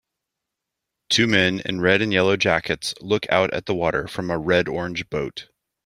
Two men in red and yellow jackets look out at the water from a redorange boat.